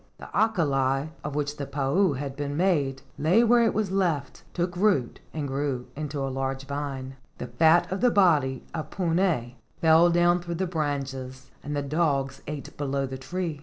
The akala, of which the pa u had been made, lay where it was left, took root and grew into a large vine. i 62 LEGENDS OF GHOSTS The fat of the body of Puna fell down through the branches and the dogs ate below the tree.